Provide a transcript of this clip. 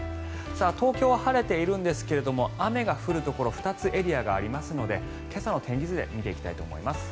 東京は晴れているんですが雨が降るところ２つ、エリアがありますので今朝の天気図で見ていきたいと思います。